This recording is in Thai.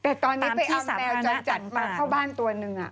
แต่ตอนนี้ไปเอาแมวจรจัดมาเข้าบ้านตัวหนึ่ง